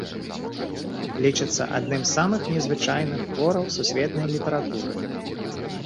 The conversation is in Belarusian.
Лічыцца адным з самых незвычайных твораў сусветнай літаратуры.